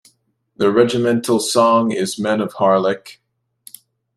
The regimental song is "Men of Harlech".